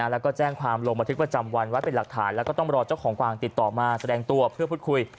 แล้วก็แจ้งความลงบันทึกประจำวันไว้เป็นหลักฐานแล้วก็ต้องรอเจ้าของกวางติดต่อมาแสดงตัวเพื่อพูดคุย